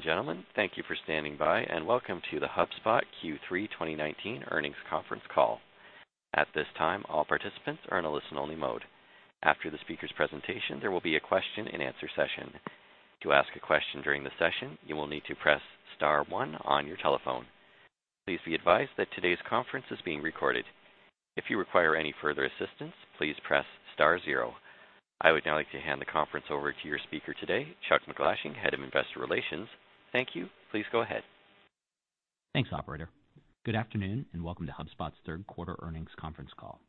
Ladies and gentlemen, thank you for standing by, and welcome to the HubSpot Q3 2019 earnings conference call. At this time, all participants are in a listen-only mode. After the speaker's presentation, there will be a question and answer session. To ask a question during the session, you will need to press star one on your telephone. Please be advised that today's conference is being recorded. If you require any further assistance, please press star zero. I would now like to hand the conference over to your speaker today, Chuck MacGlashing, Head of Investor Relations. Thank you. Please go ahead. Thanks, operator. Good afternoon, and welcome to HubSpot's third quarter earnings conference call.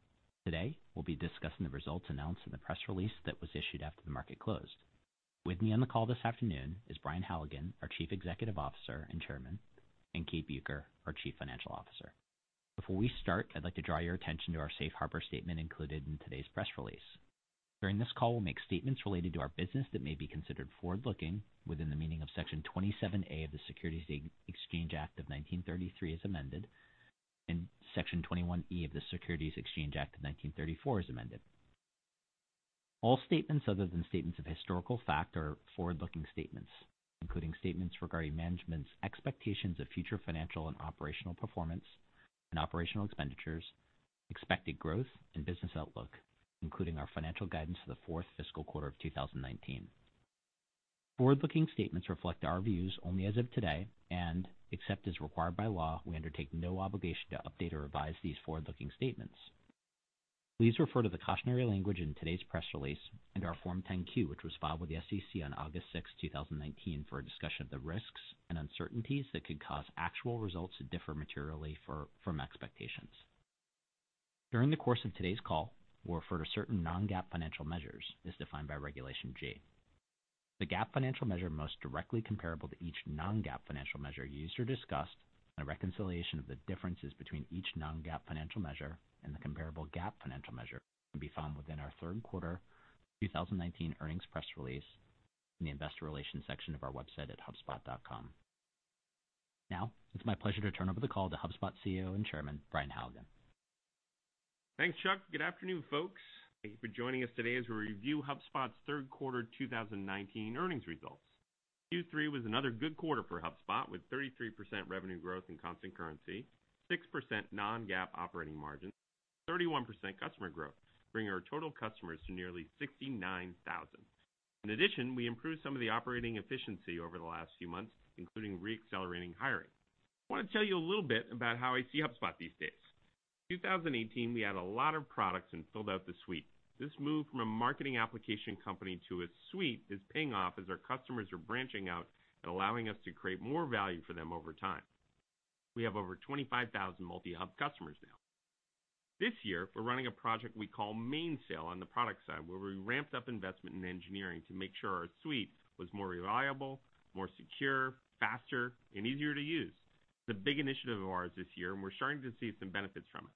Today, we'll be discussing the results announced in the press release that was issued after the market closed. With me on the call this afternoon is Brian Halligan, our Chief Executive Officer and Chairman, and Kate Bueker, our Chief Financial Officer. Before we start, I'd like to draw your attention to our Safe Harbor statement included in today's press release. During this call, we'll make statements related to our business that may be considered forward-looking within the meaning of Section 27A of the Securities Act of 1933 as amended, and Section 21E of the Securities Exchange Act of 1934 as amended. All statements other than statements of historical fact are forward-looking statements, including statements regarding management's expectations of future financial and operational performance and operational expenditures, expected growth, and business outlook, including our financial guidance for the fourth fiscal quarter of 2019. Forward-looking statements reflect our views only as of today, and except as required by law, we undertake no obligation to update or revise these forward-looking statements. Please refer to the cautionary language in today's press release and our Form 10-Q, which was filed with the SEC on August 6th, 2019, for a discussion of the risks and uncertainties that could cause actual results to differ materially from expectations. During the course of today's call, we'll refer to certain non-GAAP financial measures as defined by Regulation G. The GAAP financial measure most directly comparable to each non-GAAP financial measure used or discussed, and a reconciliation of the differences between each non-GAAP financial measure and the comparable GAAP financial measure can be found within our third quarter 2019 earnings press release in the investor relations section of our website at hubspot.com. It's my pleasure to turn over the call to HubSpot CEO and Chairman, Brian Halligan. Thanks, Chuck. Good afternoon, folks. Thank you for joining us today as we review HubSpot's third quarter 2019 earnings results. Q3 was another good quarter for HubSpot, with 33% revenue growth in constant currency, 6% non-GAAP operating margins, 31% customer growth, bringing our total customers to nearly 69,000. In addition, we improved some of the operating efficiency over the last few months, including re-accelerating hiring. I want to tell you a little bit about how I see HubSpot these days. 2018, we added a lot of products and filled out the suite. This move from a marketing application company to a suite is paying off as our customers are branching out and allowing us to create more value for them over time. We have over 25,000 multi-Hub customers now. This year, we're running a project we call Mainsail on the product side, where we ramped up investment in engineering to make sure our suite was more reliable, more secure, faster, and easier to use. It's a big initiative of ours this year, we're starting to see some benefits from it.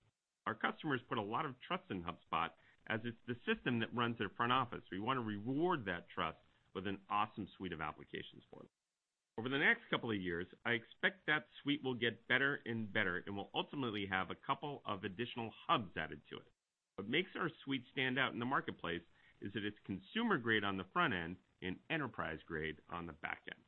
Our customers put a lot of trust in HubSpot as it's the system that runs their front office. We want to reward that trust with an awesome suite of applications for them. Over the next couple of years, I expect that suite will get better and better and will ultimately have a couple of additional hubs added to it. What makes our suite stand out in the marketplace is that it's consumer-grade on the front end and enterprise-grade on the back end.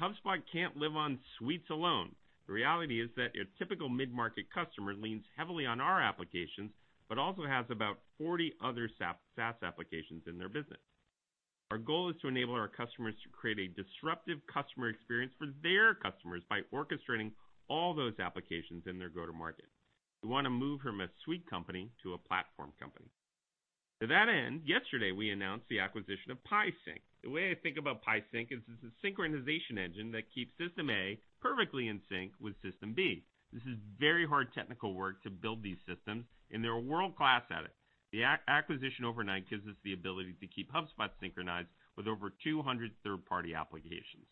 HubSpot can't live on suites alone. The reality is that your typical mid-market customer leans heavily on our applications, but also has about 40 other SaaS applications in their business. Our goal is to enable our customers to create a disruptive customer experience for their customers by orchestrating all those applications in their go-to market. We want to move from a suite company to a platform company. To that end, yesterday, we announced the acquisition of PieSync. The way I think about PieSync is it's a synchronization engine that keeps System A perfectly in sync with System B. This is very hard technical work to build these systems, and they're world-class at it. The acquisition overnight gives us the ability to keep HubSpot synchronized with over 200 third-party applications.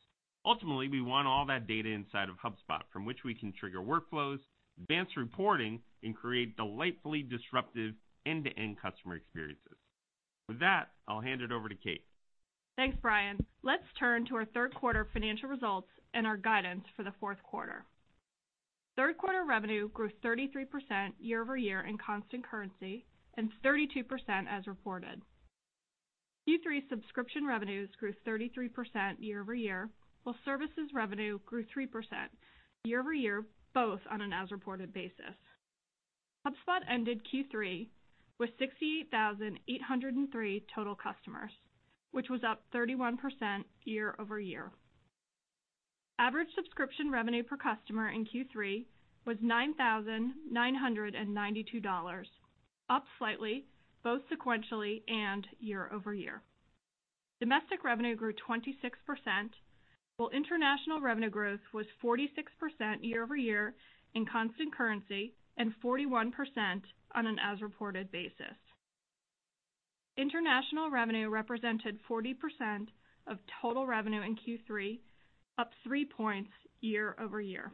Ultimately, we want all that data inside of HubSpot, from which we can trigger workflows, advance reporting, and create delightfully disruptive end-to-end customer experiences. With that, I'll hand it over to Kate. Thanks, Brian. Let's turn to our third quarter financial results and our guidance for the fourth quarter. Third quarter revenue grew 33% year-over-year in constant currency and 32% as reported. Q3 subscription revenues grew 33% year-over-year, while services revenue grew 3% year-over-year, both on an as-reported basis. HubSpot ended Q3 with 68,803 total customers, which was up 31% year-over-year. Average subscription revenue per customer in Q3 was $9,992, up slightly, both sequentially and year-over-year. Domestic revenue grew 26%, while international revenue growth was 46% year-over-year in constant currency and 41% on an as-reported basis. International revenue represented 40% of total revenue in Q3, up three points year-over-year.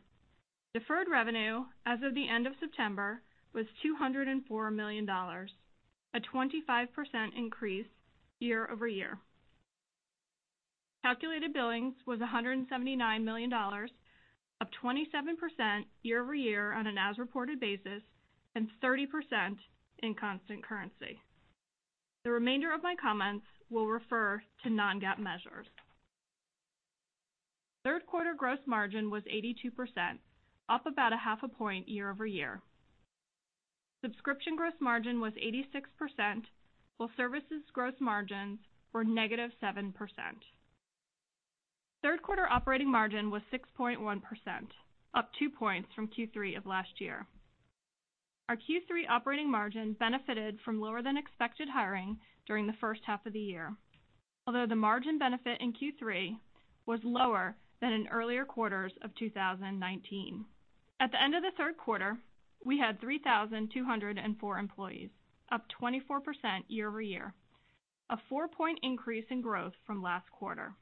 Deferred revenue as of the end of September was $204 million, a 25% increase year-over-year. Calculated billings was $179 million, up 27% year-over-year on an as-reported basis, and 30% in constant currency. The remainder of my comments will refer to non-GAAP measures. Third quarter gross margin was 82%, up about a half a point year-over-year. Subscription gross margin was 86%, while services gross margins were negative 7%. Third quarter operating margin was 6.1%, up two points from Q3 of last year. Our Q3 operating margin benefited from lower than expected hiring during the first half of the year. The margin benefit in Q3 was lower than in earlier quarters of 2019. At the end of the third quarter, we had 3,204 employees, up 24% year-over-year, a four-point increase in growth from last quarter.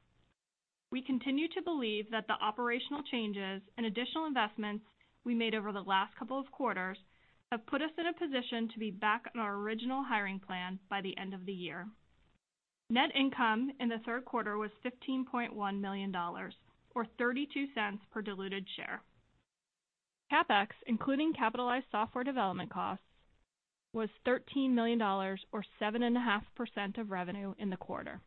We continue to believe that the operational changes and additional investments we made over the last couple of quarters have put us in a position to be back on our original hiring plan by the end of the year. Net income in the third quarter was $15.1 million, or $0.32 per diluted share. CapEx, including capitalized software development costs, was $13 million, or 7.5% of revenue in the quarter.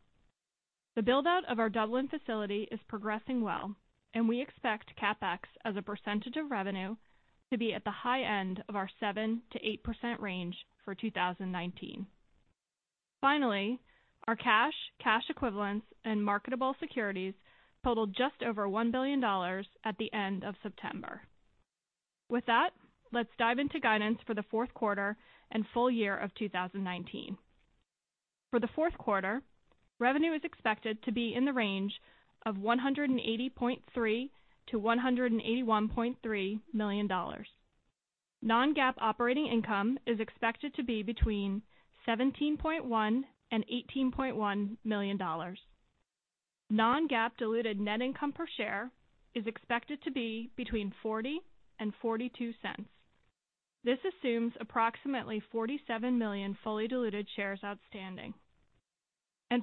The build-out of our Dublin facility is progressing well, and we expect CapEx as a percentage of revenue to be at the high end of our 7%-8% range for 2019. Our cash equivalents, and marketable securities totaled just over $1 billion at the end of September. With that, let's dive into guidance for the fourth quarter and full year of 2019. For the fourth quarter, revenue is expected to be in the range of $180.3 million-$181.3 million. Non-GAAP operating income is expected to be between $17.1 and $18.1 million. Non-GAAP diluted net income per share is expected to be between $0.40 and $0.42. This assumes approximately 47 million fully diluted shares outstanding.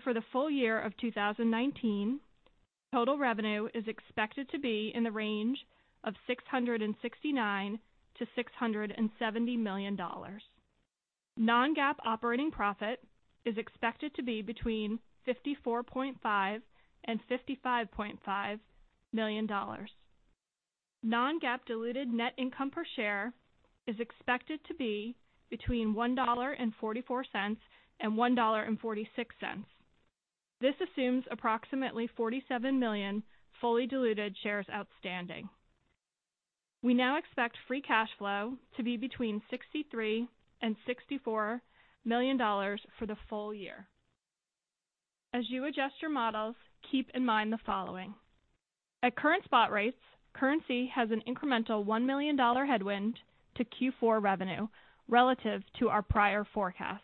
For the full year of 2019, total revenue is expected to be in the range of $669 million-$670 million. Non-GAAP operating profit is expected to be between $54.5 and $55.5 million. Non-GAAP diluted net income per share is expected to be between $1.44 and $1.46. This assumes approximately 47 million fully diluted shares outstanding. We now expect free cash flow to be between $63 and $64 million for the full year. As you adjust your models, keep in mind the following. At current spot rates, currency has an incremental $1 million headwind to Q4 revenue relative to our prior forecast.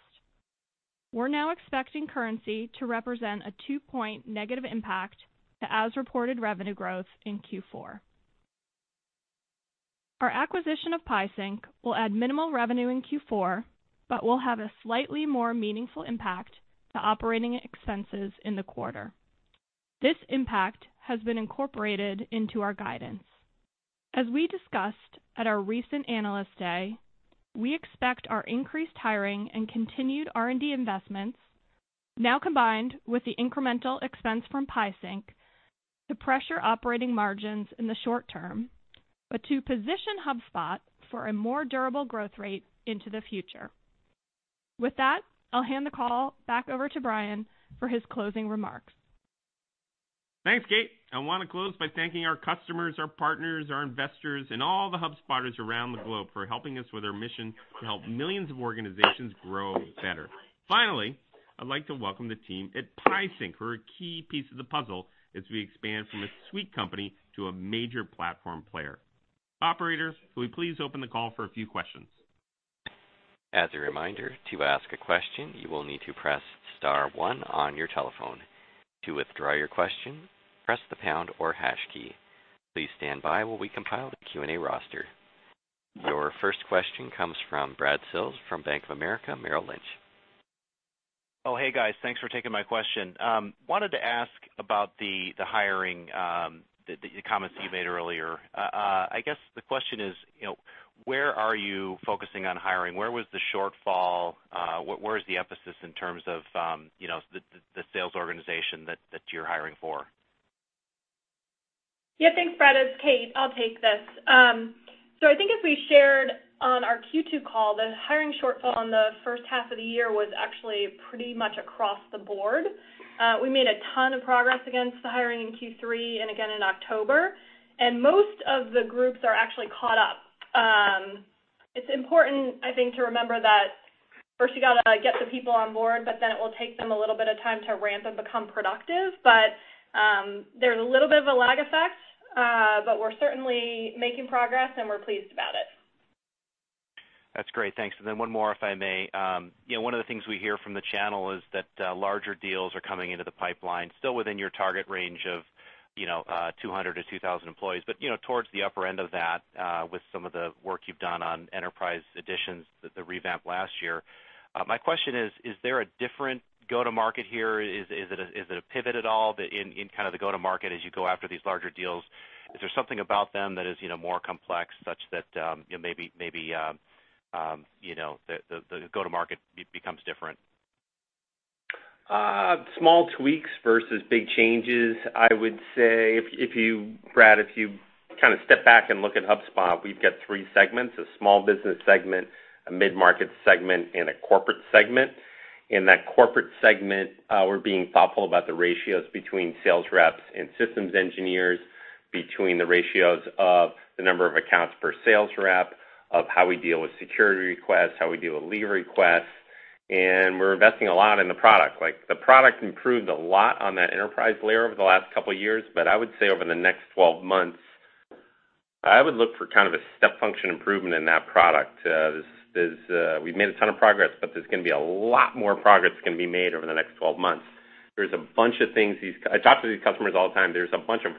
We're now expecting currency to represent a 2-point negative impact to as-reported revenue growth in Q4. Our acquisition of PieSync will add minimal revenue in Q4 but will have a slightly more meaningful impact to operating expenses in the quarter. This impact has been incorporated into our guidance. As we discussed at our recent Analyst Day, we expect our increased hiring and continued R&D investments, now combined with the incremental expense from PieSync, to pressure operating margins in the short term, but to position HubSpot for a more durable growth rate into the future. With that, I'll hand the call back over to Brian for his closing remarks. Thanks, Kate. I want to close by thanking our customers, our partners, our investors, and all the HubSpotters around the globe for helping us with our mission to help millions of organizations grow better. Finally, I'd like to welcome the team at PieSync, who are a key piece of the puzzle as we expand from a suite company to a major platform player. Operator, will you please open the call for a few questions? As a reminder, to ask a question, you will need to press *1 on your telephone. To withdraw your question, press the pound or hash key. Please stand by while we compile the Q&A roster. Your first question comes from Brad Sills from Bank of America Merrill Lynch. Oh, hey, guys. Thanks for taking my question. I wanted to ask about the hiring, the comments that you made earlier. I guess the question is, where are you focusing on hiring? Where was the shortfall? Where is the emphasis in terms of the sales organization that you're hiring for? Yeah, thanks, Brad. It's Kate, I'll take this. I think as we shared on our Q2 call, the hiring shortfall on the first half of the year was actually pretty much across the board. We made a ton of progress against the hiring in Q3 and again in October, and most of the groups are actually caught up. It's important, I think, to remember that first you got to get the people on board, but then it will take them a little bit of time to ramp and become productive. There's a little bit of a lag effect, but we're certainly making progress, and we're pleased about it. That's great. Thanks. One more, if I may. One of the things we hear from the channel is that larger deals are coming into the pipeline, still within your target range of 200 to 2,000 employees, but towards the upper end of that with some of the work you've done on enterprise additions, the revamp last year. My question is there a different go-to-market here? Is it a pivot at all in the go-to-market as you go after these larger deals? Is there something about them that is more complex, such that maybe the go-to-market becomes different? Small tweaks versus big changes. I would say, Brad, if you step back and look at HubSpot, we've got three segments, a small business segment, a mid-market segment, and a corporate segment. In that corporate segment, we're being thoughtful about the ratios between sales reps and systems engineers, between the ratios of the number of accounts per sales rep, of how we deal with security requests, how we deal with leave requests, and we're investing a lot in the product. The product improved a lot on that enterprise layer over the last couple of years, but I would say over the next 12 months, I would look for a step function improvement in that product. We've made a ton of progress, but there's going to be a lot more progress going to be made over the next 12 months. I talk to these customers all the time. There's a bunch of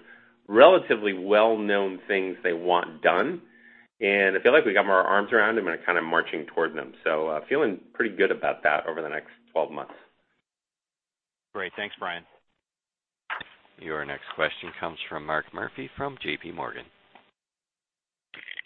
relatively well-known things they want done, and I feel like we got our arms around them and are kind of marching toward them. I'm feeling pretty good about that over the next 12 months. Great. Thanks, Brian. Your next question comes from Mark Murphy from JPMorgan.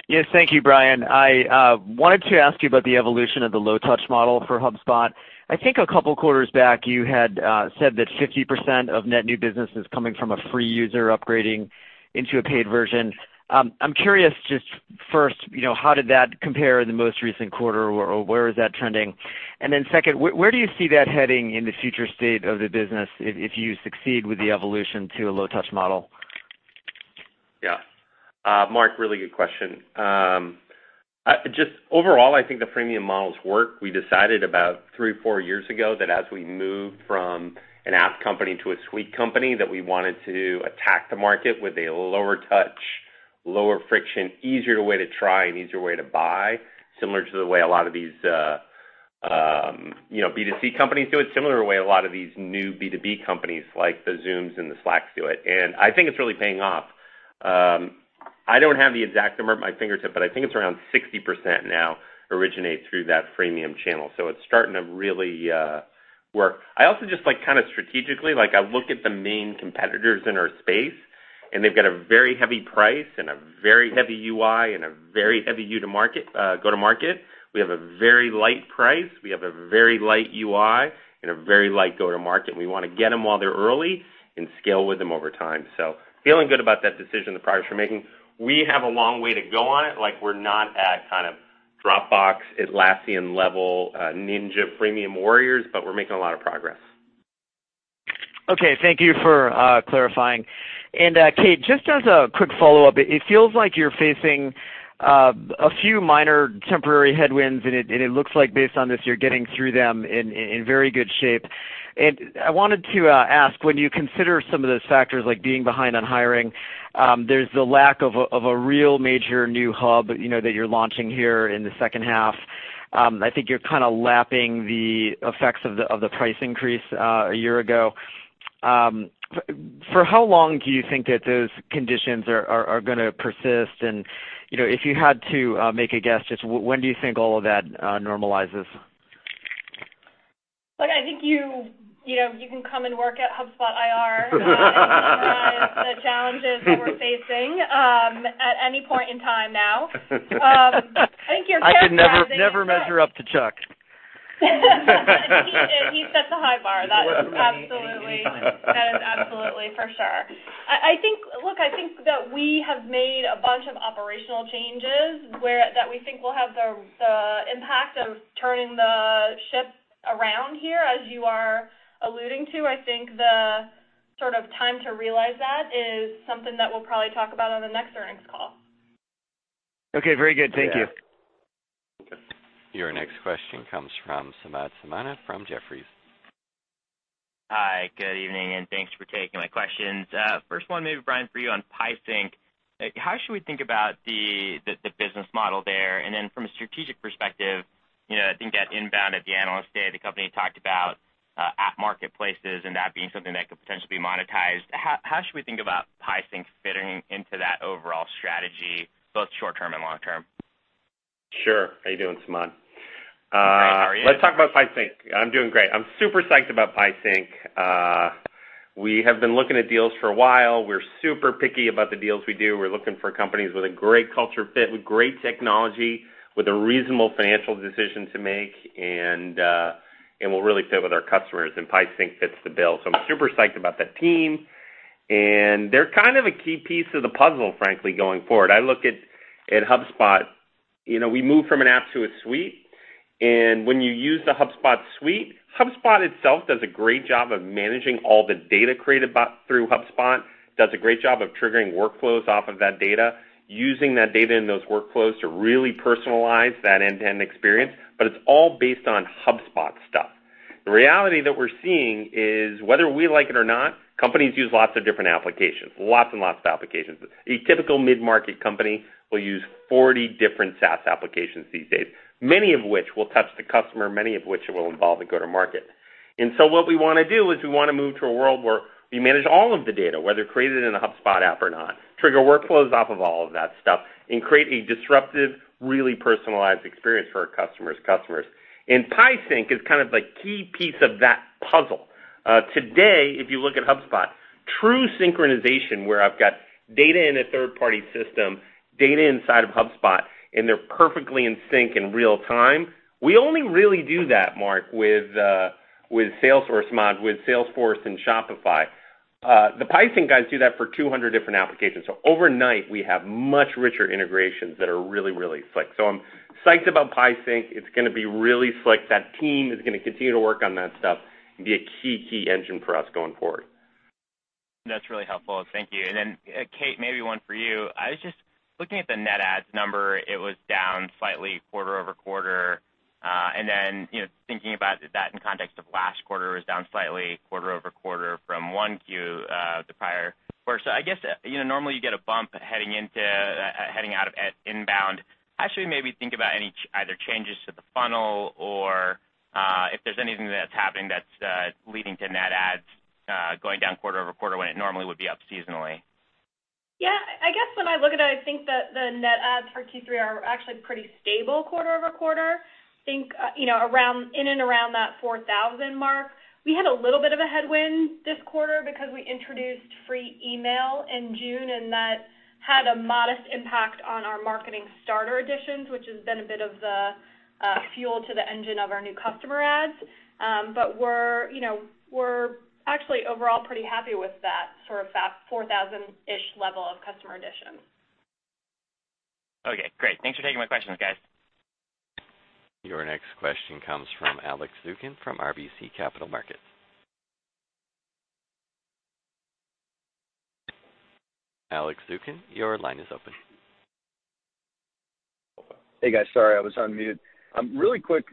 Yes, thank you, Brian. I wanted to ask you about the evolution of the low-touch model for HubSpot. I think a couple of quarters back, you had said that 50% of net new business is coming from a free user upgrading into a paid version. I'm curious just first, how did that compare in the most recent quarter, or where is that trending? Second, where do you see that heading in the future state of the business if you succeed with the evolution to a low-touch model? Yeah. Mark, really good question. Just overall, I think the premium models work. We decided about three, four years ago that as we move from an app company to a suite company, that we wanted to attack the market with a lower touch, lower friction, easier way to try and easier way to buy, similar to the way a lot of these B2C companies do it, similar way a lot of these new B2B companies like the Zooms and the Slacks do it, and I think it's really paying off. I don't have the exact number at my fingertips, but I think it's around 60% now originate through that freemium channel, so it's starting to really work. I also just strategically look at the main competitors in our space, and they've got a very heavy price and a very heavy UI and a very heavy go-to-market. We have a very light price, we have a very light UI, and a very light go-to-market, and we want to get them while they're early and scale with them over time. Feeling good about that decision, the progress we're making. We have a long way to go on it. We're not at kind of Dropbox, Atlassian-level ninja freemium warriors, but we're making a lot of progress. Okay, thank you for clarifying. Kate, just as a quick follow-up, it feels like you're facing a few minor temporary headwinds, and it looks like based on this, you're getting through them in very good shape. I wanted to ask, when you consider some of those factors like being behind on hiring, there's the lack of a real major new hub that you're launching here in the second half. I think you're kind of lapping the effects of the price increase a year ago. For how long do you think that those conditions are going to persist? If you had to make a guess, just when do you think all of that normalizes? Look, I think you can come and work at HubSpot IR- analyze the challenges that we're facing at any point in time now. I could never measure up to Chuck. He sets a high bar. He welcomed me. that is absolutely, for sure. Look, I think that we have made a bunch of operational changes that we think will have the impact of turning the ship around here, as you are alluding to. I think the sort of time to realize that is something that we'll probably talk about on the next earnings call. Okay, very good. Thank you. Yeah. Thank you. Your next question comes from Samad Samana from Jefferies. Hi, good evening. Thanks for taking my questions. First one, maybe Brian, for you on PieSync. How should we think about the business model there? From a strategic perspective, I think at INBOUND, at the Analyst Day, the company talked about app marketplaces and that being something that could potentially be monetized. How should we think about PieSync fitting into that overall strategy, both short-term and long-term? Sure. How you doing, Samad? Great. How are you? Let's talk about PieSync. I'm doing great. I'm super psyched about PieSync. We have been looking at deals for a while. We're super picky about the deals we do. We're looking for companies with a great culture fit, with great technology, with a reasonable financial decision to make, and will really fit with our customers, and PieSync fits the bill. I'm super psyched about that team, and they're kind of a key piece of the puzzle, frankly, going forward. I look at HubSpot, we moved from an app to a suite, and when you use the HubSpot suite, HubSpot itself does a great job of managing all the data created through HubSpot. Does a great job of triggering workflows off of that data, using that data and those workflows to really personalize that end-to-end experience. The reality that we're seeing is, whether we like it or not, companies use lots of different applications, lots and lots of applications. A typical mid-market company will use 40 different SaaS applications these days, many of which will touch the customer, many of which will involve a go-to-market. What we want to do is we want to move to a world where we manage all of the data, whether created in a HubSpot app or not, trigger workflows off of all of that stuff, and create a disruptive, really personalized experience for our customers' customers. PieSync is kind of the key piece of that puzzle. Today, if you look at HubSpot, true synchronization, where I've got data in a third-party system, data inside of HubSpot, and they're perfectly in sync in real time, we only really do that, Mark, with Salesforce mods, with Salesforce and Shopify. The PieSync guys do that for 200 different applications. Overnight, we have much richer integrations that are really, really slick. I'm psyched about PieSync. It's going to be really slick. That team is going to continue to work on that stuff and be a key engine for us going forward. That's really helpful. Thank you. Kate, maybe one for you. I was just looking at the net adds number. It was down slightly quarter-over-quarter. Thinking about that in context of last quarter was down slightly quarter-over-quarter from one Q, the prior quarter. I guess, normally you get a bump heading out of INBOUND. I actually maybe think about any either changes to the funnel or, if there's anything that's happening that's leading to net adds, going down quarter-over-quarter when it normally would be up seasonally. I guess when I look at it, I think that the net adds for Q3 are actually pretty stable quarter-over-quarter. I think, in and around that 4,000 mark. We had a little bit of a headwind this quarter because we introduced free email in June, and that had a modest impact on our marketing starter additions, which has been a bit of the fuel to the engine of our new customer adds. We're actually overall pretty happy with that sort of that 4,000-ish level of customer additions. Okay, great. Thanks for taking my questions, guys. Your next question comes from Alex Zukin from RBC Capital Markets. Alex Zukin, your line is open. Hey, guys. Sorry, I was on mute. Really quick,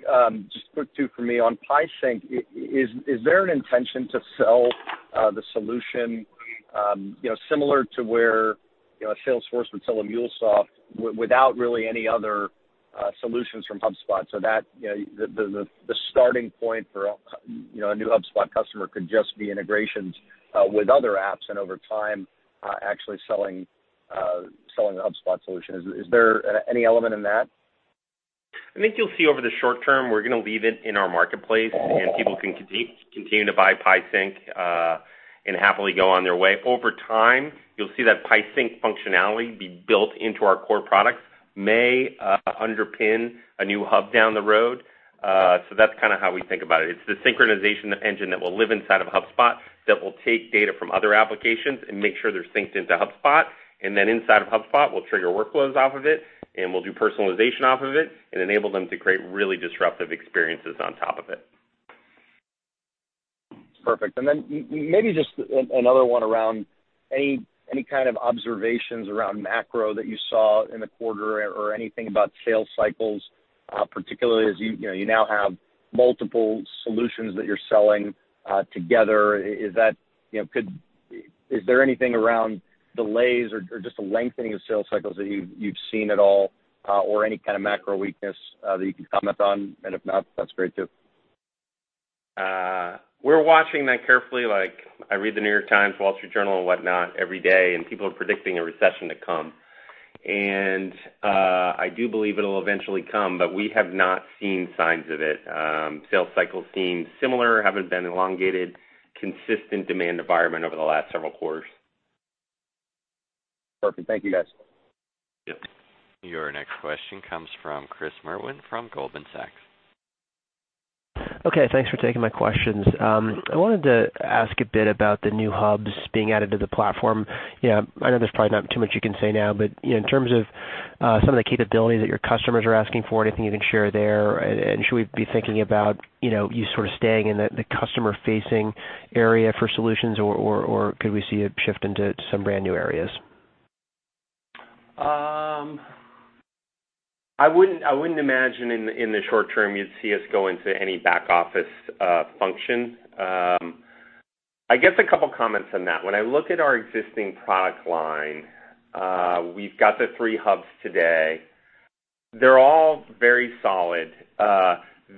just a quick two for me on PieSync. Is there an intention to sell the solution, similar to where Salesforce would sell a MuleSoft without really any other solutions from HubSpot, so that the starting point for a new HubSpot customer could just be integrations with other apps, and over time, actually selling a HubSpot solution? Is there any element in that? I think you'll see over the short term, we're going to leave it in our marketplace, and people can continue to buy PieSync, and happily go on their way. Over time, you'll see that PieSync functionality be built into our core products. It may underpin a new hub down the road. That's kind of how we think about it. It's the synchronization engine that will live inside of HubSpot, that will take data from other applications and make sure they're synced into HubSpot. Inside of HubSpot, we'll trigger workflows off of it, and we'll do personalization off of it and enable them to create really disruptive experiences on top of it. Perfect. Maybe just another one around any kind of observations around macro that you saw in the quarter or anything about sales cycles, particularly as you now have multiple solutions that you're selling together. Is there anything around delays or just a lengthening of sales cycles that you've seen at all? Any kind of macro weakness that you can comment on? If not, that's great too. We're watching that carefully. Like, I read "The New York Times," "The Wall Street Journal" and whatnot every day, and people are predicting a recession to come. I do believe it'll eventually come, but we have not seen signs of it. Sales cycles seem similar, haven't been elongated. Consistent demand environment over the last several quarters. Perfect. Thank you, guys. Yep. Your next question comes from Chris Merwin from Goldman Sachs. Okay. Thanks for taking my questions. I wanted to ask a bit about the new hubs being added to the platform. I know there's probably not too much you can say now, but in terms of some of the capabilities that your customers are asking for, anything you can share there. Should we be thinking about you sort of staying in the customer-facing area for solutions, or could we see a shift into some brand-new areas? I wouldn't imagine in the short term you'd see us go into any back-office function. I guess a couple of comments on that. When I look at our existing product line, we've got the three Hubs today. They're all very solid.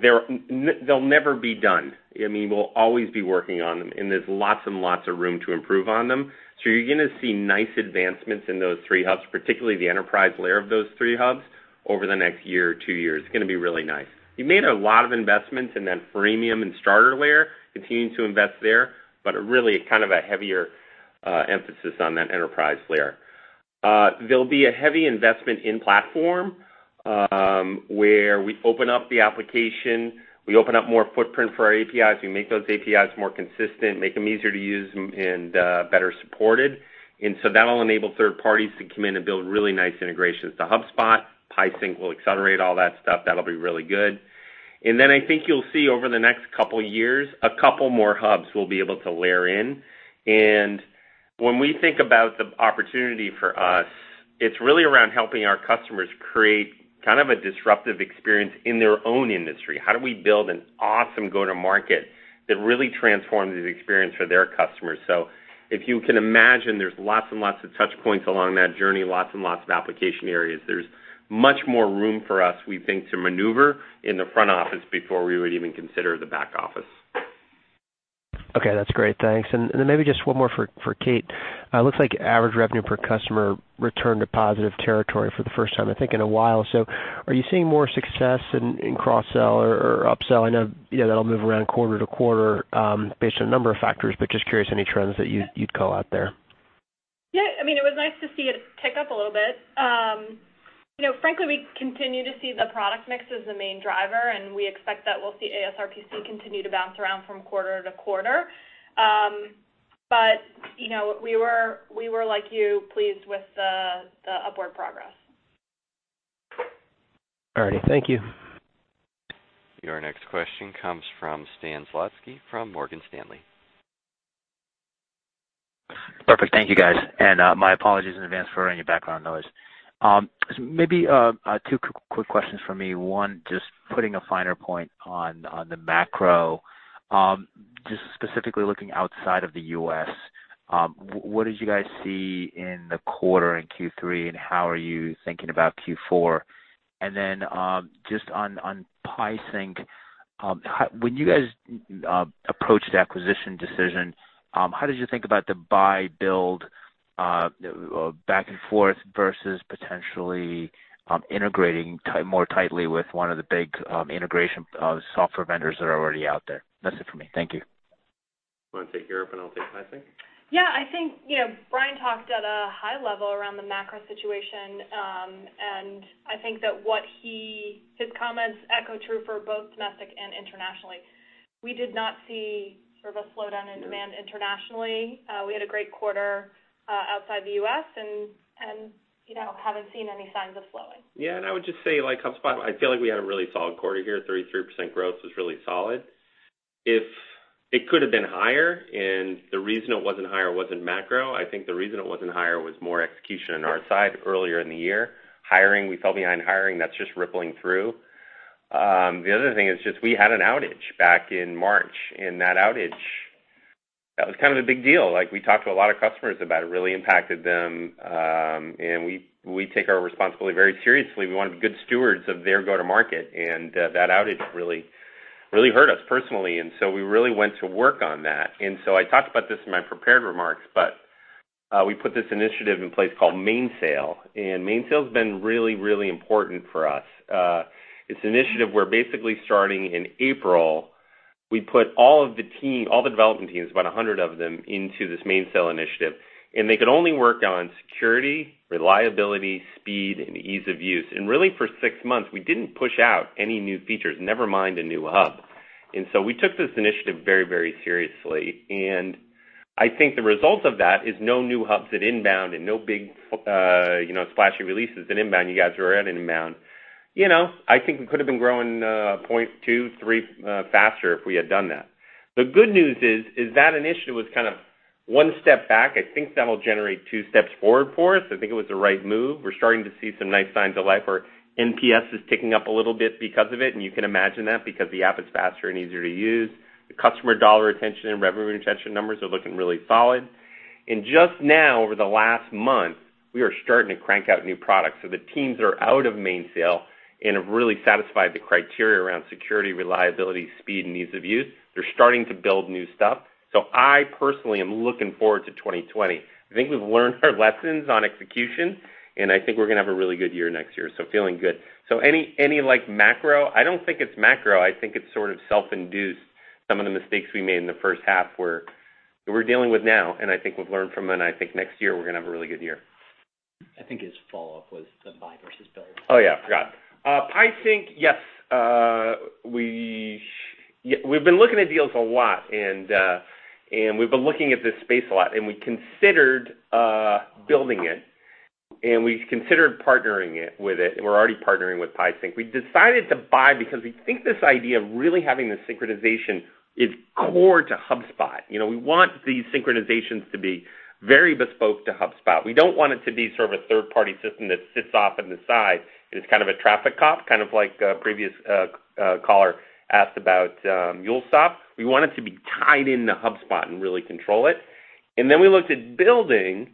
They'll never be done. I mean, we'll always be working on them, and there's lots and lots of room to improve on them. You're going to see nice advancements in those three Hubs, particularly the enterprise layer of those three Hubs, over the next year or two years. It's going to be really nice. We made a lot of investments in that freemium and Starter layer, continuing to invest there, but really a kind of a heavier emphasis on that enterprise layer. There'll be a heavy investment in platform, where we open up the application, we open up more footprint for our APIs. We make those APIs more consistent, make them easier to use and better supported. That'll enable third parties to come in and build really nice integrations to HubSpot. PieSync will accelerate all that stuff. That'll be really good. I think you'll see over the next couple years, a couple more hubs we'll be able to layer in. When we think about the opportunity for us, it's really around helping our customers create kind of a disruptive experience in their own industry. How do we build an awesome go-to-market that really transforms the experience for their customers? If you can imagine, there's lots and lots of touch points along that journey, lots and lots of application areas. There's much more room for us, we think, to maneuver in the front office before we would even consider the back office. Okay, that's great. Thanks. Then maybe just one more for Kate. It looks like average revenue per customer returned to positive territory for the first time, I think, in a while. Are you seeing more success in cross-sell or up-sell? I know that'll move around quarter to quarter based on a number of factors, just curious any trends that you'd call out there. Yeah. It was nice to see it tick up a little bit. Frankly, we continue to see the product mix as the main driver, and we expect that we'll see ASRPC continue to bounce around from quarter to quarter. We were, like you, pleased with the upward progress. All righty. Thank you. Your next question comes from Stan Zlotsky from Morgan Stanley. Perfect. Thank you, guys, and my apologies in advance for any background noise. Maybe two quick questions from me. One, just putting a finer point on the macro, just specifically looking outside of the U.S., what did you guys see in the quarter, in Q3, and how are you thinking about Q4? Then just on PieSync, when you guys approached the acquisition decision, how did you think about the buy-build back and forth versus potentially integrating more tightly with one of the big integration software vendors that are already out there? That's it for me. Thank you. You want to take Europe, and I'll take PieSync? Yeah. I think Brian talked at a high level around the macro situation, and I think that his comments echo true for both domestic and internationally. We did not see sort of a slowdown in demand internationally. We had a great quarter outside the U.S., and haven't seen any signs of slowing. Yeah, I would just say HubSpot, I feel like we had a really solid quarter here. 33% growth was really solid. It could have been higher, the reason it wasn't higher wasn't macro. I think the reason it wasn't higher was more execution on our side earlier in the year. Hiring, we fell behind in hiring. That's just rippling through. The other thing is just we had an outage back in March, that outage was kind of a big deal. We talked to a lot of customers about it. It really impacted them. We take our responsibility very seriously. We want to be good stewards of their go-to-market, that outage really hurt us personally. We really went to work on that. I talked about this in my prepared remarks, but we put this initiative in place called Mainsail, and Mainsail's been really, really important for us. It's an initiative we're basically starting in April. We put all the development teams, about 100 of them, into this Mainsail initiative, and they could only work on security, reliability, speed, and ease of use. Really, for six months, we didn't push out any new features, never mind a new hub. We took this initiative very seriously, and I think the result of that is no new hubs at INBOUND and no big flashy releases at INBOUND. You guys were at INBOUND. I think we could have been growing 0.23 faster if we had done that. The good news is that initiative was kind of one step back. I think that'll generate two steps forward for us. I think it was the right move. We're starting to see some nice signs of life where NPS is ticking up a little bit because of it, and you can imagine that because the app is faster and easier to use. The customer dollar retention and revenue retention numbers are looking really solid. Just now, over the last month, we are starting to crank out new products. The teams that are out of Mainsail and have really satisfied the criteria around security, reliability, speed, and ease of use, they're starting to build new stuff. I personally am looking forward to 2020. I think we've learned our lessons on execution, and I think we're going to have a really good year next year. Feeling good. Any macro, I don't think it's macro, I think it's sort of self-induced. Some of the mistakes we made in the first half we're dealing with now, and I think we've learned from them, and I think next year we're going to have a really good year. I think his follow-up was the buy versus build. Oh, yeah. Got it. PieSync, yes. We've been looking at deals a lot, we've been looking at this space a lot, we considered building it, we considered partnering with it, and we're already partnering with PieSync. We decided to buy because we think this idea of really having the synchronization is core to HubSpot. We want these synchronizations to be very bespoke to HubSpot. We don't want it to be sort of a third-party system that sits off in the side and is kind of a traffic cop, kind of like a previous caller asked about MuleSoft. We want it to be tied into HubSpot and really control it. We looked at building.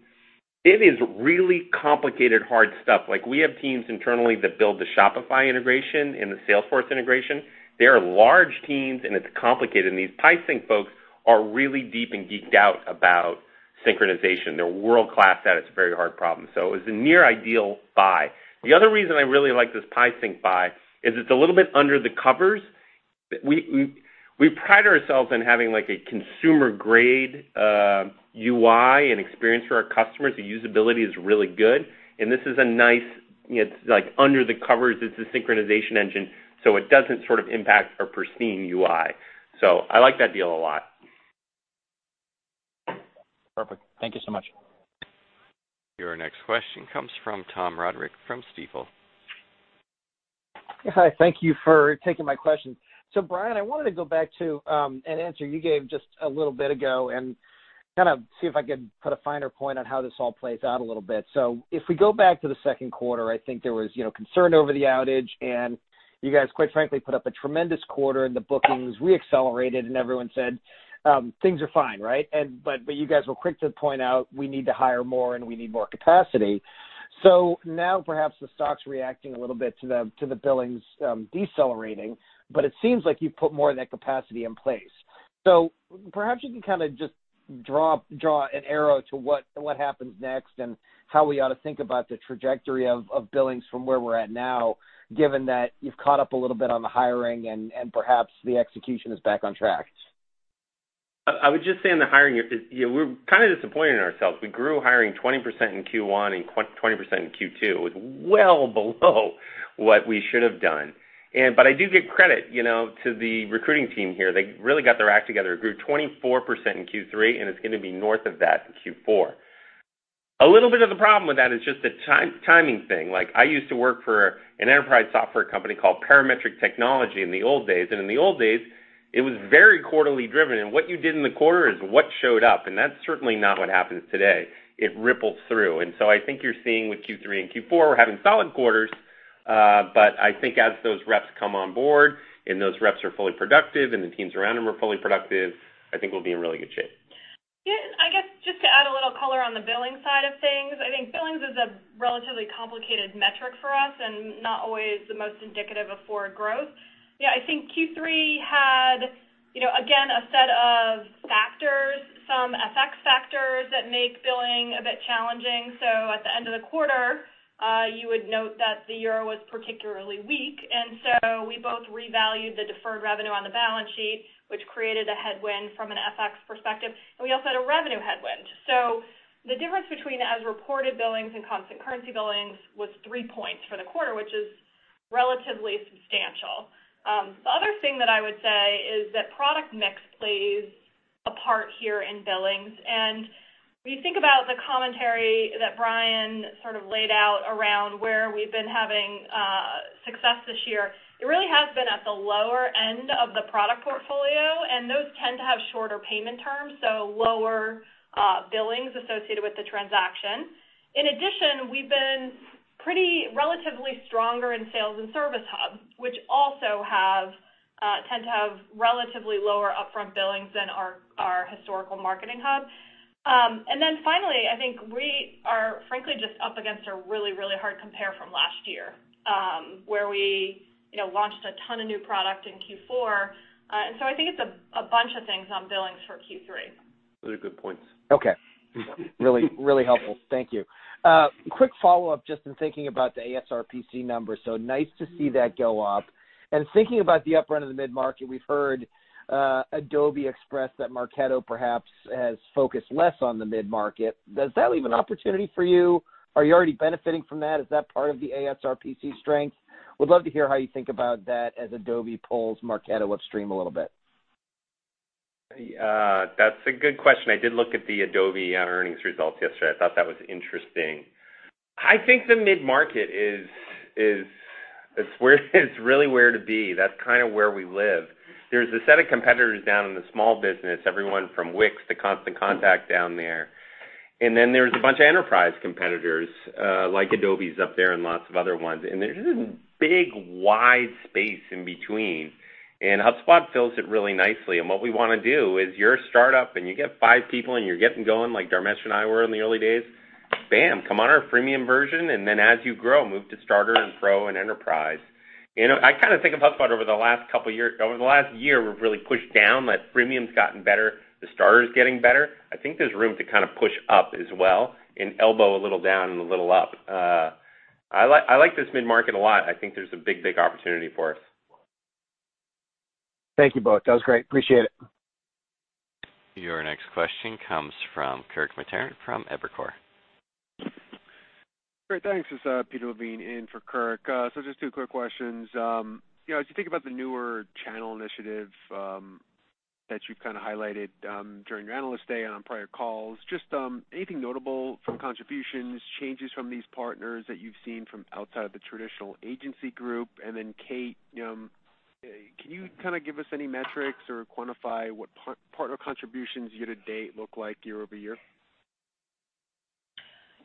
It is really complicated, hard stuff. We have teams internally that build the Shopify integration and the Salesforce integration. They are large teams, it's complicated, and these PieSync folks are really deep and geeked out about synchronization. They're world-class at it. It's a very hard problem. It was a near ideal buy. The other reason I really like this PieSync buy is it's a little bit under the covers. We pride ourselves on having a consumer-grade UI and experience for our customers. The usability is really good, this is a nice under-the-covers, it's a synchronization engine, it doesn't sort of impact our pristine UI. I like that deal a lot. Perfect. Thank you so much. Your next question comes from Tom Roderick from Stifel. Hi, thank you for taking my questions. Brian, I wanted to go back to an answer you gave just a little bit ago and kind of see if I could put a finer point on how this all plays out a little bit. If we go back to the second quarter, I think there was concern over the outage, and you guys, quite frankly, put up a tremendous quarter in the bookings. We accelerated, and everyone said, "Things are fine." Right? You guys were quick to point out, we need to hire more and we need more capacity. Now perhaps the stock's reacting a little bit to the billings decelerating, but it seems like you've put more of that capacity in place. Perhaps you can just draw an arrow to what happens next and how we ought to think about the trajectory of billings from where we're at now, given that you've caught up a little bit on the hiring and perhaps the execution is back on track. I would just say on the hiring, we're kind of disappointed in ourselves. We grew hiring 20% in Q1 and 20% in Q2. It was well below what we should have done. I do give credit to the recruiting team here. They really got their act together. It grew 24% in Q3, and it's going to be north of that in Q4. A little bit of the problem with that is just a timing thing. I used to work for an enterprise software company called Parametric Technology Corporation in the old days, and in the old days, it was very quarterly driven. What you did in the quarter is what showed up, and that's certainly not what happens today. It ripples through. I think you're seeing with Q3 and Q4, we're having solid quarters. I think as those reps come on board, and those reps are fully productive, and the teams around them are fully productive, I think we'll be in really good shape. Yeah, I guess just to add a little color on the billing side of things, I think billings is a relatively complicated metric for us and not always the most indicative of forward growth. Yeah, I think Q3 had, again, a set of factors, some FX factors that make billing a bit challenging. At the end of the quarter, you would note that the Euro was particularly weak, and so we both revalued the deferred revenue on the balance sheet, which created a headwind from an FX perspective, and we also had a revenue headwind. The difference between as-reported billings and constant currency billings was three points for the quarter, which is relatively substantial. The other thing that I would say is that product mix plays a part here in billings. When you think about the commentary that Brian sort of laid out around where we've been having success this year, it really has been at the lower end of the product portfolio, and those tend to have shorter payment terms, so lower billings associated with the transaction. In addition, we've been pretty relatively stronger in Sales Hub and Service Hub, which also tend to have relatively lower upfront billings than our historical Marketing Hub. Finally, I think we are frankly just up against a really, really hard compare from last year, where we launched a ton of new product in Q4. I think it's a bunch of things on billings for Q3. Those are good points. Okay. Really helpful. Thank you. Quick follow-up, just in thinking about the ASRPC numbers, nice to see that go up. Thinking about the upfront of the mid-market, we've heard Adobe express that Marketo perhaps has focused less on the mid-market. Does that leave an opportunity for you? Are you already benefiting from that? Is that part of the ASRPC strength? Would love to hear how you think about that as Adobe pulls Marketo upstream a little bit. That's a good question. I did look at the Adobe earnings results yesterday. I thought that was interesting. I think the mid-market is really where to be. That's kind of where we live. There's a set of competitors down in the small business, everyone from Wix to Constant Contact down there. Then there's a bunch of enterprise competitors, like Adobe's up there and lots of other ones. There's this big wide space in between, and HubSpot fills it really nicely. What we want to do is, you're a startup and you get five people and you're getting going like Dharmesh and I were in the early days, bam, come on our freemium version, and then as you grow, move to starter and pro and enterprise. I kind of think of HubSpot over the last year, we've really pushed down. That freemium's gotten better. The starter's getting better. I think there's room to kind of push up as well and elbow a little down and a little up. I like this mid-market a lot. I think there's a big opportunity for us. Thank you both. That was great. Appreciate it. Your next question comes from Kirk Materne from Evercore. Great. Thanks. It's Peter Levine in for Kirk. Just two quick questions. As you think about the newer channel initiative that you've kind of highlighted during your Analyst Day and on prior calls, just anything notable from contributions, changes from these partners that you've seen from outside of the traditional agency group? Kate, can you kind of give us any metrics or quantify what partner contributions year-to-date look like year-over-year?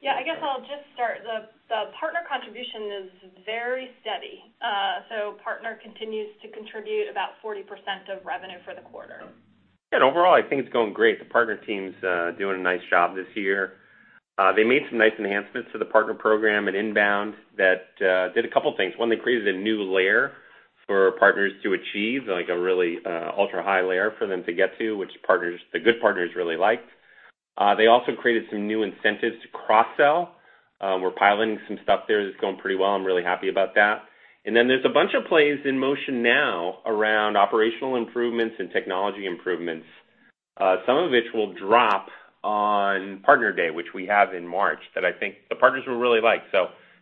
Yeah, I guess I'll just start. The partner contribution is very steady. Partner continues to contribute about 40% of revenue for the quarter. Yeah, overall, I think it's going great. The partner team's doing a nice job this year. They made some nice enhancements to the partner program at INBOUND that did a couple things. One, they created a new layer for partners to achieve, like a really ultra-high layer for them to get to, which the good partners really liked. They also created some new incentives to cross-sell. We're piloting some stuff there that's going pretty well. I'm really happy about that. Then there's a bunch of plays in motion now around operational improvements and technology improvements, some of which will drop on Partner Day, which we have in March, that I think the partners will really like.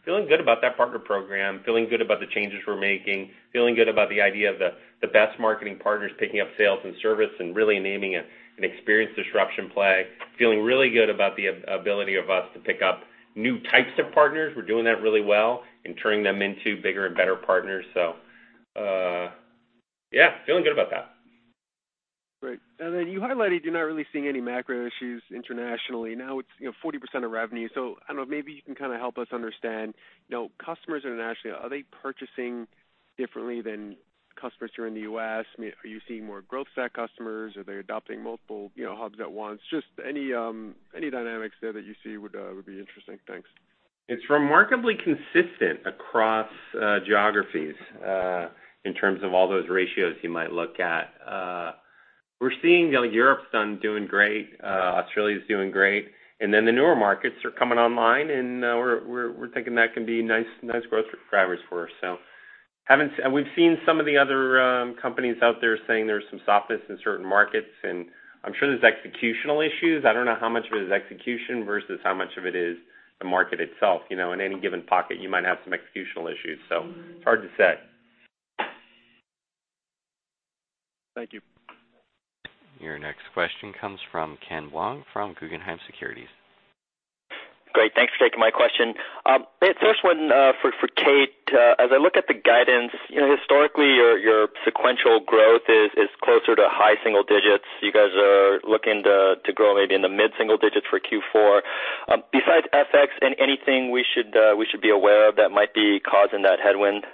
Feeling good about that partner program, feeling good about the changes we're making, feeling good about the idea of the best marketing partners picking up Sales and Service and really naming an experience disruption play. Feeling really good about the ability of us to pick up new types of partners. We're doing that really well and turning them into bigger and better partners. Yeah, feeling good about that. Great. You highlighted you're not really seeing any macro issues internationally. Now it's 40% of revenue, I don't know, maybe you can help us understand. Customers internationally, are they purchasing differently than customers who are in the U.S.? Are you seeing more growth-set customers? Are they adopting multiple Hubs at once? Just any dynamics there that you see would be interesting. Thanks. It's remarkably consistent across geographies, in terms of all those ratios you might look at. We're seeing Europe's doing great, Australia's doing great, and then the newer markets are coming online, and we're thinking that can be nice growth drivers for us. We've seen some of the other companies out there saying there's some softness in certain markets, and I'm sure there's executional issues. I don't know how much of it is execution versus how much of it is the market itself. In any given pocket, you might have some executional issues. It's hard to say. Thank you. Your next question comes from Ken Wong from Guggenheim Securities. Great. Thanks for taking my question. First one for Kate. As I look at the guidance, historically, your sequential growth is closer to high single digits. You guys are looking to grow maybe in the mid-single digits for Q4. Besides FX, anything we should be aware of that might be causing that headwind?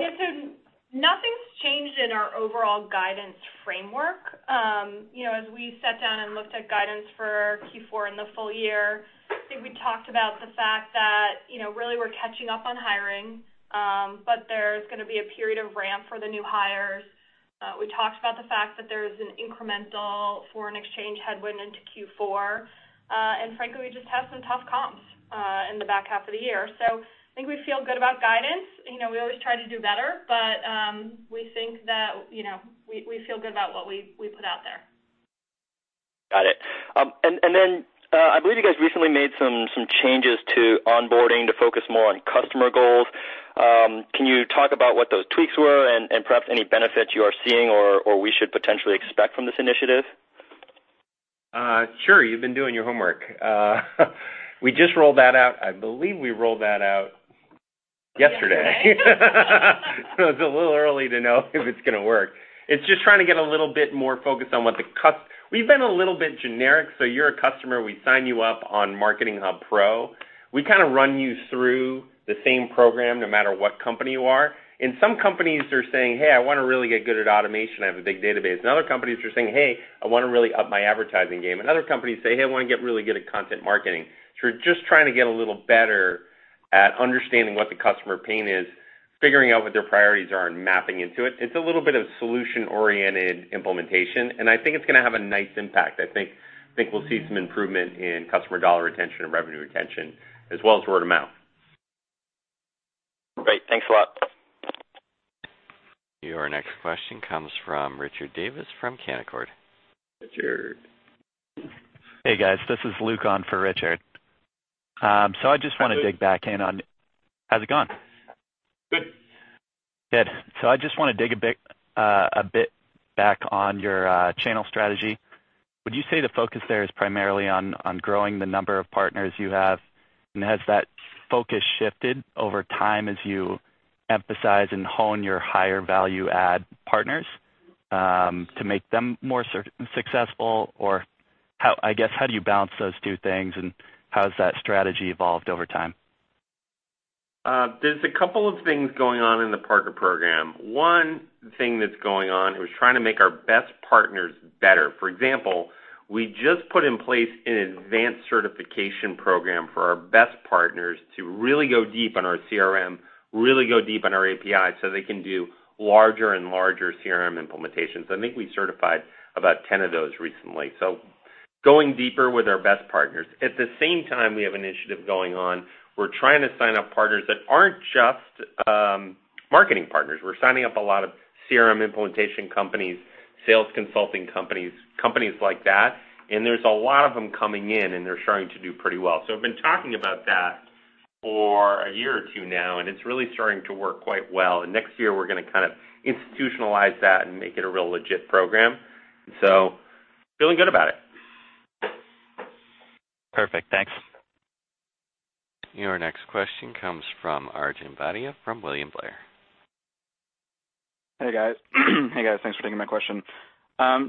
Yeah. Nothing's changed in our overall guidance framework. As we sat down and looked at guidance for Q4 and the full year, I think we talked about the fact that really we're catching up on hiring, but there's going to be a period of ramp for the new hires. We talked about the fact that there's an incremental foreign exchange headwind into Q4. Frankly, we just have some tough comps in the back half of the year. I think we feel good about guidance. We always try to do better, but we feel good about what we put out there. Got it. I believe you guys recently made some changes to onboarding to focus more on customer goals. Can you talk about what those tweaks were and perhaps any benefits you are seeing or we should potentially expect from this initiative? Sure. You've been doing your homework. We just rolled that out, I believe we rolled that out yesterday. It's a little early to know if it's going to work. It's just trying to get a little bit more focused. We've been a little bit generic. You're a customer, we sign you up on Marketing Hub Pro. We kind of run you through the same program no matter what company you are. Some companies are saying, "Hey, I want to really get good at automation. I have a big database." Other companies are saying, "Hey, I want to really up my advertising game." Other companies say, "Hey, I want to get really good at content marketing." We're just trying to get a little better at understanding what the customer pain is, figuring out what their priorities are, and mapping into it. It's a little bit of solution-oriented implementation, and I think it's going to have a nice impact. I think we'll see some improvement in customer dollar retention and revenue retention as well as word of mouth. Great. Thanks a lot. Your next question comes from Richard Davis from Canaccord Genuity. Richard. Hey, guys. This is Luke on for Richard. Hi, Luke. How's it going? Good. Good. I just want to dig a bit back on your channel strategy. Would you say the focus there is primarily on growing the number of partners you have? Has that focus shifted over time as you emphasize and hone your higher value add partners, to make them more successful? I guess, how do you balance those two things, and how has that strategy evolved over time? There's a couple of things going on in the partner program. One thing that's going on is trying to make our best partners better. For example, we just put in place an advanced certification program for our best partners to really go deep on our CRM, really go deep on our API, so they can do larger and larger CRM implementations. I think we certified about 10 of those recently. Going deeper with our best partners. At the same time, we have an initiative going on. We're trying to sign up partners that aren't just marketing partners. We're signing up a lot of CRM implementation companies, sales consulting companies like that, and there's a lot of them coming in, and they're starting to do pretty well. I've been talking about that for a year or two now, and it's really starting to work quite well. Next year, we're going to institutionalize that and make it a real legit program. Feeling good about it. Perfect. Thanks. Your next question comes from Arjun Bhatia from William Blair. Hey, guys. Thanks for taking my question.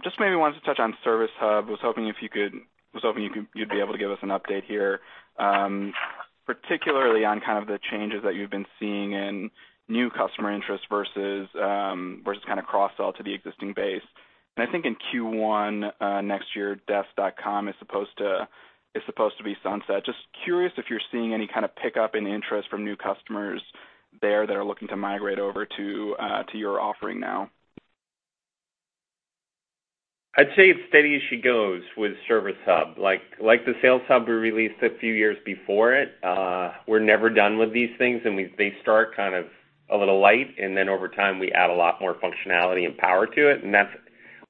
Just maybe wanted to touch on Service Hub. Was hoping you'd be able to give us an update here, particularly on kind of the changes that you've been seeing in new customer interest versus kind of cross-sell to the existing base. I think in Q1 next year, Desk.com is supposed to be sunset. Just curious if you're seeing any kind of pickup in interest from new customers there that are looking to migrate over to your offering now. I'd say it's steady as she goes with Service Hub. Like the Sales Hub we released a few years before it, we're never done with these things, and they start kind of a little light, and then over time, we add a lot more functionality and power to it, and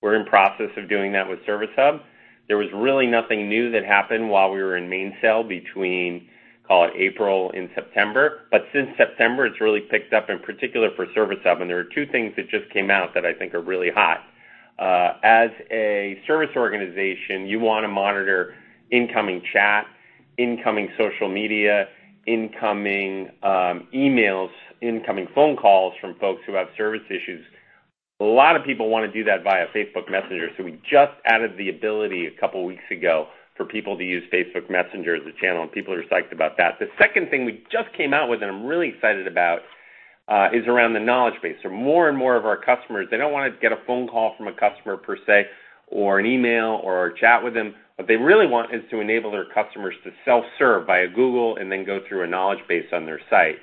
we're in the process of doing that with Service Hub. There was really nothing new that happened while we were in Mainsail between, call it, April and September. Since September, it's really picked up, in particular for Service Hub, and there are two things that just came out that I think are really hot. As a service organization, you want to monitor incoming chat, incoming social media, incoming emails, incoming phone calls from folks who have service issues. A lot of people want to do that via Facebook Messenger, so we just added the ability a couple weeks ago for people to use Facebook Messenger as a channel, and people are psyched about that. The second thing we just came out with, and I'm really excited about, is around the knowledge base. More and more of our customers, they don't want to get a phone call from a customer per se, or an email or a chat with them. What they really want is to enable their customers to self-serve via Google and then go through a knowledge base on their site.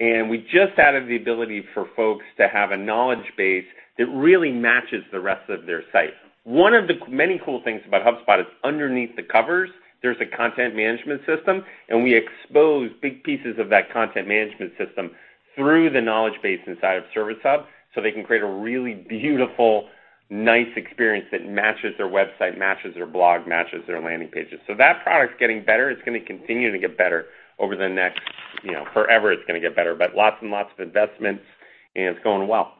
We just added the ability for folks to have a knowledge base that really matches the rest of their site. One of the many cool things about HubSpot is underneath the covers, there's a content management system, and we expose big pieces of that content management system through the knowledge base inside of Service Hub, so they can create a really beautiful, nice experience that matches their website, matches their blog, matches their landing pages. That product's getting better. It's going to continue to get better over the next, forever it's going to get better, but lots and lots of investments, and it's going well.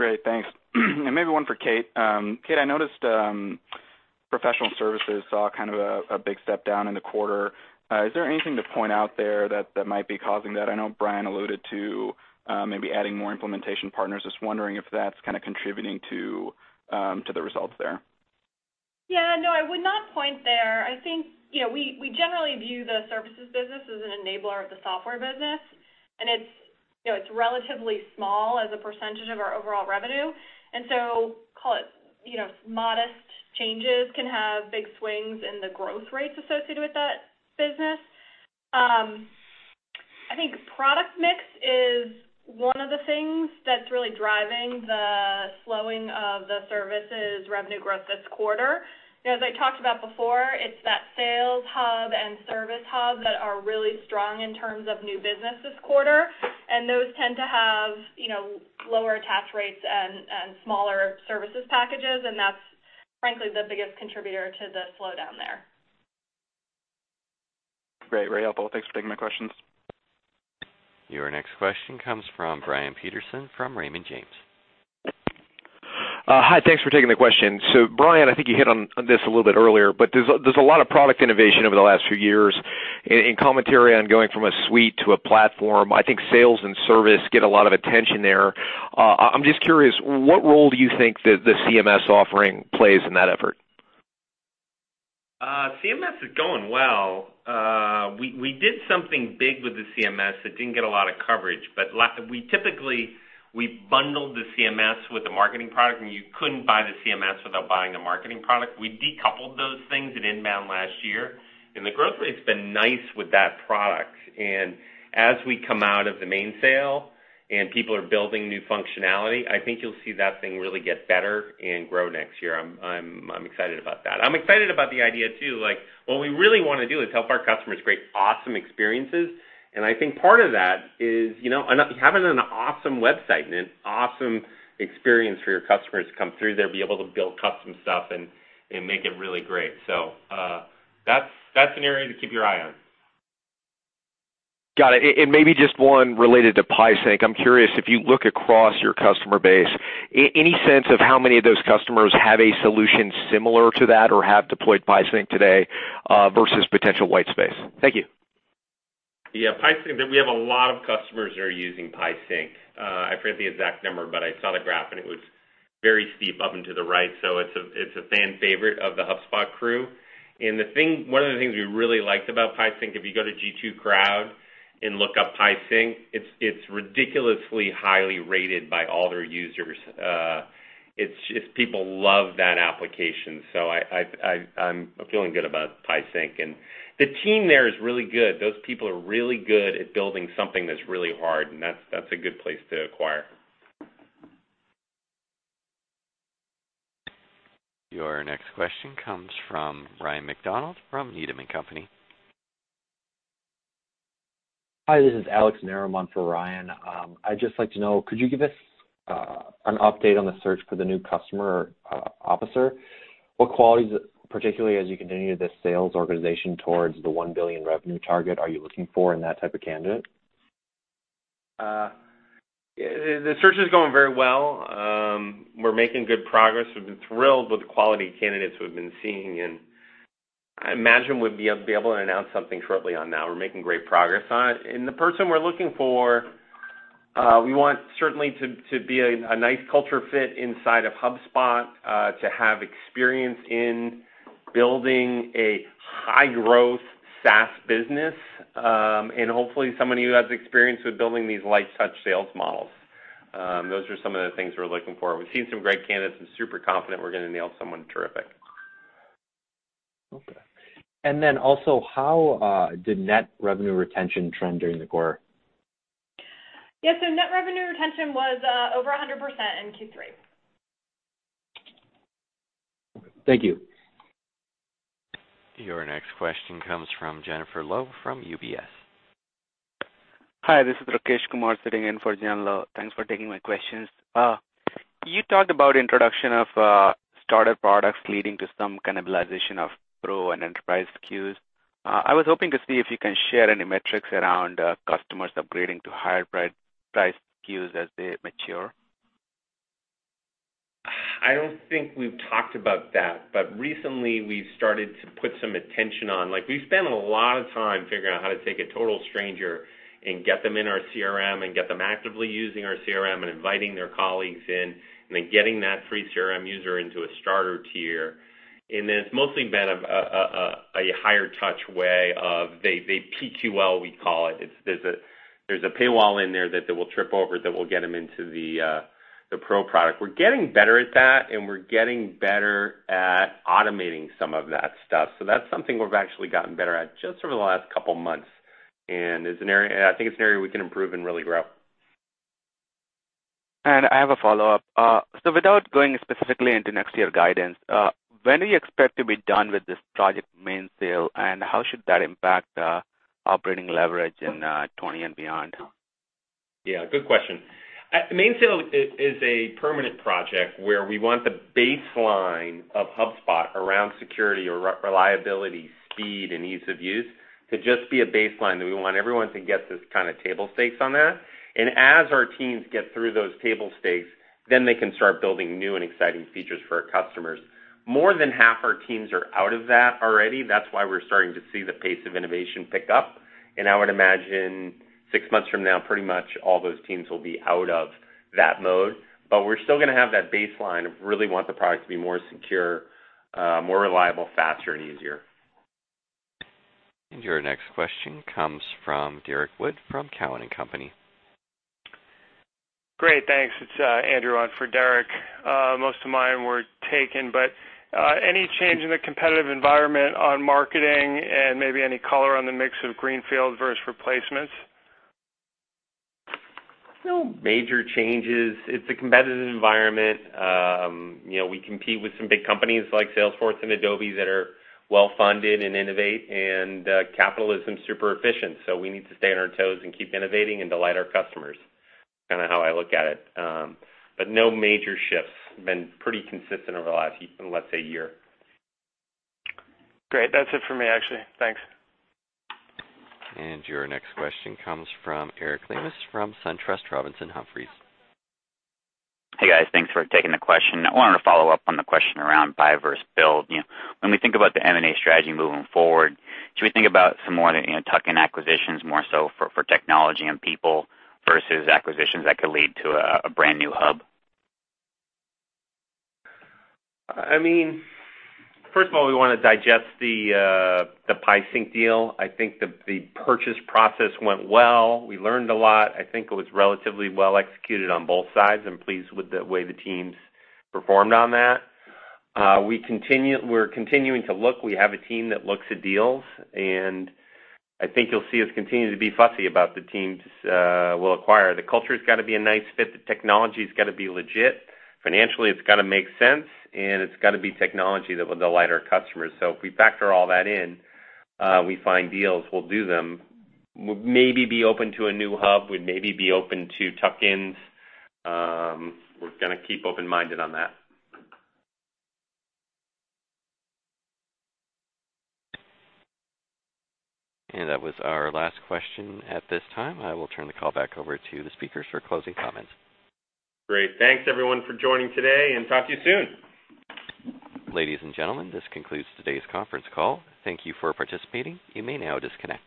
Great. Thanks. Maybe one for Kate. Kate, I noticed, professional services saw kind of a big step down in the quarter. Is there anything to point out there that might be causing that? I know Brian alluded to maybe adding more implementation partners. Just wondering if that's kind of contributing to the results there. Yeah. I would not point there. I think, we generally view the services business as an enabler of the software business. It's relatively small as a percentage of our overall revenue. Call it, modest changes can have big swings in the growth rates associated with that business. I think product mix is one of the things that's really driving the slowing of the services revenue growth this quarter. As I talked about before, it's that Sales Hub and Service Hub that are really strong in terms of new business this quarter. Those tend to have lower attach rates and smaller services packages. That's frankly the biggest contributor to the slowdown there. Great, very helpful. Thanks for taking my questions. Your next question comes from Brian Peterson from Raymond James. Hi, thanks for taking the question. Brian, I think you hit on this a little bit earlier, but there's a lot of product innovation over the last few years and commentary on going from a suite to a platform. I think sales and service get a lot of attention there. I'm just curious, what role do you think the CMS offering plays in that effort? CMS is going well. We did something big with the CMS that didn't get a lot of coverage, but we typically bundle the CMS with the marketing product, and you couldn't buy the CMS without buying the marketing product. We decoupled those things at INBOUND last year, and the growth rate's been nice with that product. As we come out of the Mainsail and people are building new functionality, I think you'll see that thing really get better and grow next year. I'm excited about that. I'm excited about the idea too, like, what we really want to do is help our customers create awesome experiences. I think part of that is, having an awesome website and an awesome experience for your customers to come through there, be able to build custom stuff and make it really great. That's an area to keep your eye on. Got it. Maybe just one related to PieSync. I'm curious if you look across your customer base, any sense of how many of those customers have a solution similar to that or have deployed PieSync today, versus potential white space? Thank you. Yeah. PieSync, we have a lot of customers that are using PieSync. I forget the exact number, but I saw the graph and it was very steep up and to the right, so it's a fan favorite of the HubSpot crew. One of the things we really liked about PieSync, if you go to G2 Crowd and look up PieSync, it's ridiculously highly rated by all their users. People love that application, so I'm feeling good about PieSync. The team there is really good. Those people are really good at building something that's really hard, and that's a good place to acquire. Your next question comes from Ryan McDonald from Needham & Company. Hi, this is Alex Marlowe for Ryan. I'd just like to know, could you give us an update on the search for the new customer officer? What qualities, particularly as you continue this sales organization towards the $1 billion revenue target, are you looking for in that type of candidate? The search is going very well. We're making good progress. We've been thrilled with the quality of candidates we've been seeing, and I imagine we'll be able to announce something shortly on that. We're making great progress on it. The person we're looking for, we want certainly to be a nice culture fit inside of HubSpot, to have experience in building a high-growth SaaS business, and hopefully somebody who has experience with building these light-touch sales models. Those are some of the things we're looking for. We've seen some great candidates and super confident we're going to nail someone terrific. Okay. Also, how did net revenue retention trend during the quarter? Yeah, net revenue retention was over 100% in Q3. Thank you. Your next question comes from Jennifer Lowe from UBS. Hi, this is Rakesh Kumar sitting in for Jennifer Lowe. Thanks for taking my questions. You talked about introduction of starter products leading to some cannibalization of Pro and Enterprise SKUs. I was hoping to see if you can share any metrics around customers upgrading to higher-priced SKUs as they mature. I don't think we've talked about that. Recently we've started to put some attention on. We've spent a lot of time figuring out how to take a total stranger and get them in our CRM and get them actively using our CRM and inviting their colleagues in, and then getting that free CRM user into a starter tier. It's mostly been a higher touch way of, they PQL, we call it. There's a paywall in there that they will trip over that will get them into the Pro product. We're getting better at that. We're getting better at automating some of that stuff. That's something we've actually gotten better at just over the last couple of months. I think it's an area we can improve and really grow. I have a follow-up. Without going specifically into next year guidance, when do you expect to be done with this Project Mainsail? How should that impact operating leverage in 2020 and beyond? Yeah, good question. Mainsail is a permanent project where we want the baseline of HubSpot around security, reliability, speed, and ease of use to just be a baseline that we want everyone to get this kind of table stakes on that. As our teams get through those table stakes, then they can start building new and exciting features for our customers. More than half our teams are out of that already. That's why we're starting to see the pace of innovation pick up. I would imagine six months from now, pretty much all those teams will be out of that mode. We're still going to have that baseline of really want the product to be more secure, more reliable, faster and easier. Your next question comes from Derrick Wood from Cowen and Company. Great. Thanks. It's Andrew on for Derrick. Most of mine were taken. Any change in the competitive environment on marketing and maybe any color on the mix of greenfield versus replacements? No major changes. It's a competitive environment. We compete with some big companies like Salesforce and Adobe that are well-funded and innovate, and capitalism's super efficient, so we need to stay on our toes and keep innovating and delight our customers. Kind of how I look at it. No major shifts. It's been pretty consistent over the last, let's say, year. Great. That's it for me, actually. Thanks. Your next question comes from Terry Tillman from SunTrust Robinson Humphrey. Hey, guys, thanks for taking the question. I wanted to follow up on the question around buy versus build. When we think about the M&A strategy moving forward, should we think about some more tuck-in acquisitions more so for technology and people versus acquisitions that could lead to a brand new Hub? First of all, we want to digest the PieSync deal. I think the purchase process went well. We learned a lot. I think it was relatively well executed on both sides. I'm pleased with the way the teams performed on that. We're continuing to look. We have a team that looks at deals, and I think you'll see us continue to be fussy about the teams we'll acquire. The culture's got to be a nice fit, the technology's got to be legit, financially, it's got to make sense, and it's got to be technology that will delight our customers. If we factor all that in, we find deals, we'll do them. We'll maybe be open to a new hub. We'd maybe be open to tuck-ins. We're going to keep open-minded on that. That was our last question at this time. I will turn the call back over to the speakers for closing comments. Great. Thanks everyone for joining today, and talk to you soon. Ladies and gentlemen, this concludes today's conference call. Thank you for participating. You may now disconnect.